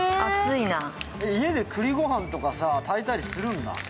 家でくりご飯とか炊いたりするんだ。